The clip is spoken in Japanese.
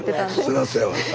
そらそうやわな。